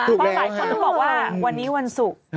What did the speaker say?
เพราะหลายคนก็บอกว่าวันนี้วันศุกร์